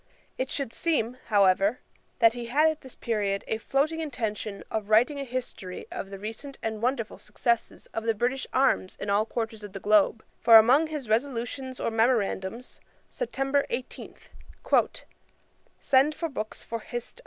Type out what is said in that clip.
It should seem, however, that he had at this period a floating intention of writing a history of the recent and wonderful successes of the British arms in all quarters of the globe; for among his resolutions or memorandums, September 18, 'send for books for Hist.